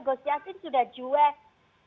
gos yassin sudah juweh